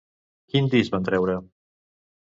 Quin disc van treure?